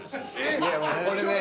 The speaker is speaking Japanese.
いやもうこれね。